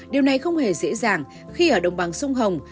điều này không hề dễ dàng khi ở đồng bằng sông hồng